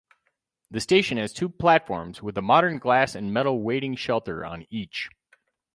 The station has two platforms with a modern glass-and-metal waiting shelter on each.